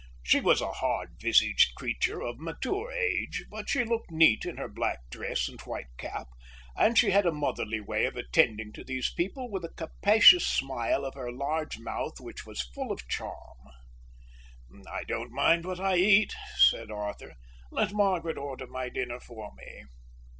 She was a hard visaged creature of mature age, but she looked neat in her black dress and white cap; and she had a motherly way of attending to these people, with a capacious smile of her large mouth which was full of charm. "I don't mind what I eat," said Arthur. "Let Margaret order my dinner for me."